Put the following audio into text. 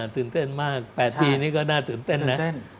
ตื่นเต้นมาก๘ปีนี่ก็น่าตื่นเต้นนะ